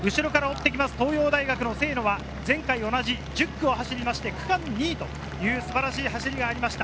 東洋大学の清野は前回同じ１０区を走って区間２位という素晴らしい走りがありました。